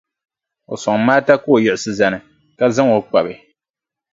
O sɔŋ Maata ka o yiɣisi zani, ka zaŋ o n-kpabi.